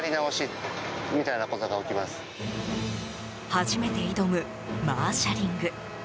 初めて挑むマーシャリング。